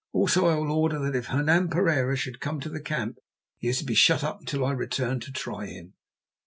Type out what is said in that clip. Also I will order that if Hernan Pereira should come to the camp, he is to be shut up until I return to try him.